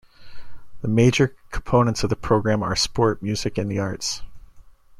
The major components of the programme are sport, music and the Arts.